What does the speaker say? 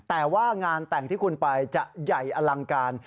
แต่ว่างานแต่งที่คุณไปจะใหญ่อลังการ